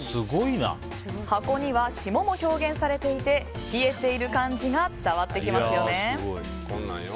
箱には霜も表現されていて冷えている感じが伝わってきますよね。